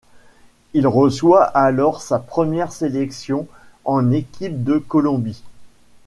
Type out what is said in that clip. Il reçoit alors sa première sélection en équipe de Colombie.